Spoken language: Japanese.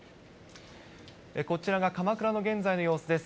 こちらが鎌倉の現在の様子です。